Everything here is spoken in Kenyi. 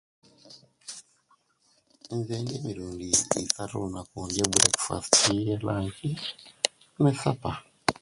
Nze indiya emirundi isatu olunaku indiya brekfast, lunch, ne'sappa